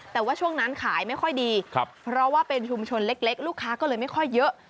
แต่ว่าช่วงนั้นขายไม่ค่อยดีเพราะว่าเป็นชุมชนเล็กลูกค้าก็เลยไม่ค่อยเยอะ